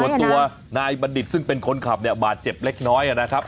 ตัวนายบัณฑิตซึ่งเป็นคนขับเนี่ยบาดเจ็บเล็กน้อยนะครับ